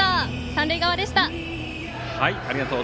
三塁側でした。